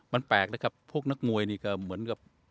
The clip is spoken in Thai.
มันแปลกเลยครับพวกนักมวยนี่ก็เหมือนกับ